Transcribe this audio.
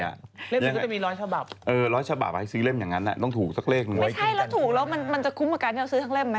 ไปว่ากับเค้าสิเวลาตอนหนุ่ม